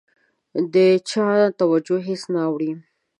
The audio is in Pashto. د چا توجه هېڅ نه اوړي.